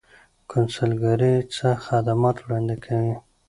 کونسلګرۍ څه خدمات وړاندې کوي؟